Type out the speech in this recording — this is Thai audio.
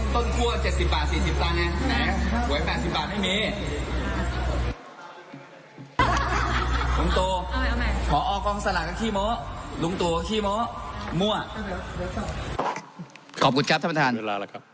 ต้นกล้ว๗๐บาท๔๐บาทไงไหว้๘๐บาทไม่มี